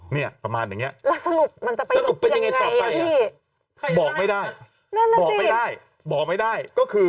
แล้วสรุปมันจะไปยุไยยังไง